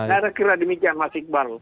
saya kira demikian mas iqbal